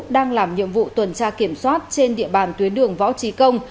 đang làm nhiệm vụ tuần tra kiểm soát trên địa bàn tuyến đường võ trí công